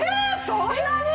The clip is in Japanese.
そんなに！？